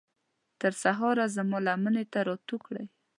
تر سهاره زما لمنې ته راتوی کړئ